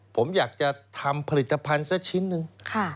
ผมอยากจะทำผลิตภัณฑ์สักชิ้นหนึ่ง